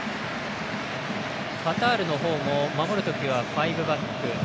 カタールのほうも守るときはファイブバック。